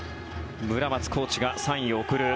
村松コーチがサインを送る。